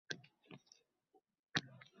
Yuqori sinf o‘quvchilari esa band.